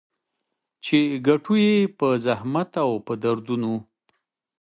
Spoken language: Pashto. چي ګټو يې په زحمت او په دردونو